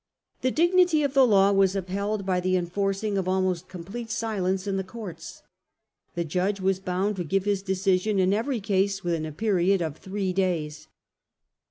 The dignity of the law was upheld by the enforcing of almost complete silence in the courts. The Judge was bound to give his decision in every case within a period of three days.